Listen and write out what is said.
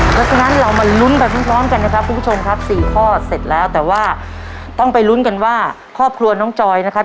เพราะฉะนั้นเรามาลุ้นไปพร้อมกันนะครับคุณผู้ชมครับสี่ข้อเสร็จแล้วแต่ว่าต้องไปลุ้นกันว่าครอบครัวน้องจอยนะครับ